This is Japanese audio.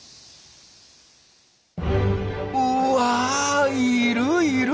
うわいるいる！